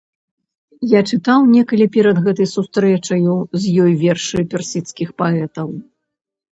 Я чытаў некалі перад гэтай сустрэчаю з ёй вершы персідскіх паэтаў.